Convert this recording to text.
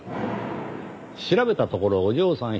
調べたところお嬢さん